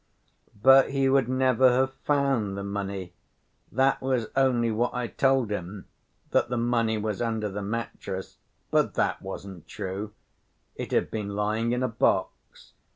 "But he would never have found the money. That was only what I told him, that the money was under the mattress. But that wasn't true. It had been lying in a box.